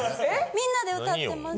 みんなで歌ってます！